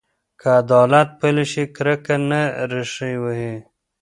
که عدالت پلی شي، کرکه نه ریښې وهي.